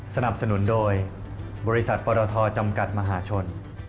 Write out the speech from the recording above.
สนับสนุนโดยบริษัทปรทจำกัดมหาชน